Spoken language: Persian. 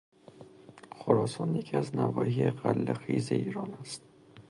خراسان یکی از نواحی غله خیز ایران است.